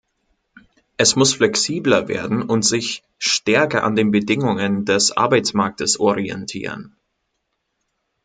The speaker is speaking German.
Es muss flexibler werden und sich stärker an den Bedingungen des Arbeitsmarktes orientieren.